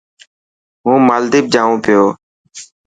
هون مالديپ جائون پيو.